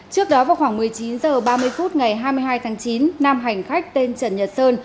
trước đó vào khoảng một mươi chín h ba mươi phút ngày hai mươi hai tháng chín nam hành khách tên trần nhật sơn